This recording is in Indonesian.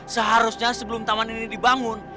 seharusnya sebelum taman ini dibangun